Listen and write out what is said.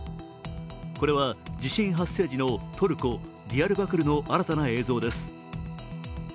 これは地震発生時のトルコ・ディヤルバクルの新たな映像です。